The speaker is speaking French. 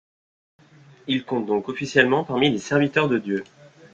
Il compte donc officiellement parmi les Serviteurs de Dieu.